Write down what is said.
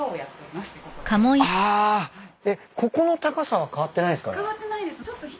えっここの高さは変わってないんすかね？